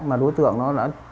mà đối tượng nó đã